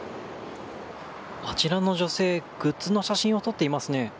あちらの女性グッズの写真を撮っていますね。